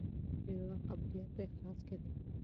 د دعا قبولیت په اخلاص کې دی.